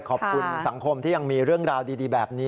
ขอบคุณสังคมที่ยังมีเรื่องราวดีแบบนี้